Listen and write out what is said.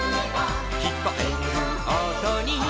「きこえるおとに」